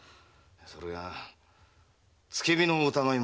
それが付け火の疑いもあって。